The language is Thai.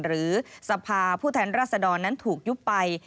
หรือสภาผู้แทนรัศดรนั้นถูกยุบไป